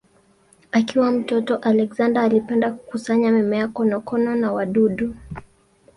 Akiwa mtoto Alexander alipenda kukusanya mimea, konokono na wadudu.